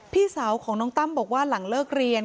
พี่สาวของน้องตั้มบอกว่าหลังเลิกเรียน